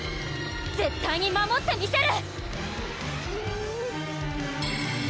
絶対に守ってみせる！